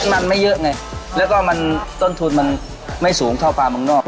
มันไม่เยอะไงแล้วก็มันต้นทุนมันไม่สูงเท่าปลาเมืองนอก